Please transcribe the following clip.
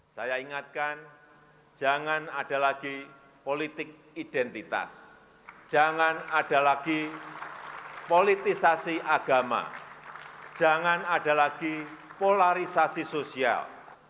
saya ingatkan jangan ada lagi politik identitas jangan ada lagi politisasi agama jangan ada lagi polarisasi sosial